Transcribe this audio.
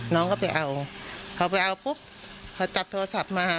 น้องก็ไปเอาเขาไปเอาปุ๊บเขาจับโทรศัพท์มา